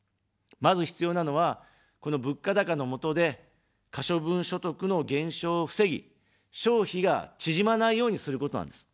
まず、必要なのは、この物価高のもとで、可処分所得の減少を防ぎ、消費が縮まないようにすることなんです。